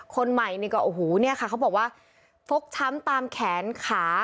คนใหม่นี่ก็โอ้โหเนี่ยค่ะเขาบอกว่าฟกช้ำตามแขนขา